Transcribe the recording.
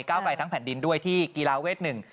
ก้าวไกรทั้งแผ่นดินด้วยที่กีฬาเวส๑ดินแดง